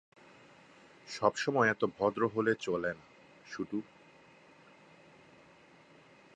সবসময় এত ভদ্র হলে চলে না, শুটু।